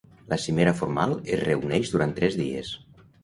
La cimera formal es reuneix durant tres dies.